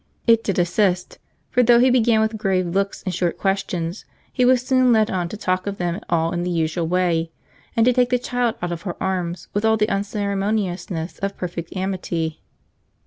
It did assist; for though he began with grave looks and short questions, he was soon led on to talk of them all in the usual way, and to take the child out of her arms with all the unceremoniousness of perfect amity.